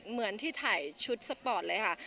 เหมือนที่ถ่ายชุดสปอร์ตเลยค่ะ